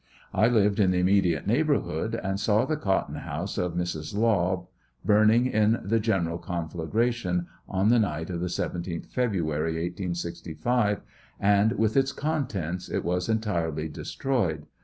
I lived in the immediate neighborhood, and saw the cot ton house of Mrs. Law burning in the general confla gration, on the night of the 17th February, 1865, and, with its contents, it was entirely destroyed.